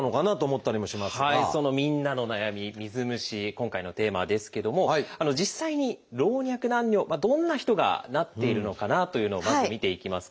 今回のテーマですけども実際に老若男女どんな人がなっているのかなというのをまず見ていきます。